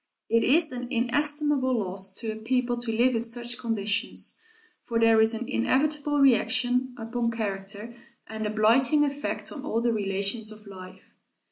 It is an inestimable loss to a people to live in such conditions, for there is an inevitable reaction upon character and a blighting effect on all the relations of life.